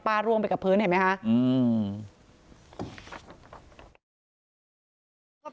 ป้าร่วมไปกับพื้นเห็นไหมฮะอืม